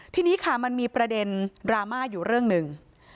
ทีนี้ค่ะมันมีประเด็นดราม่าอยู่เรื่องหนึ่ง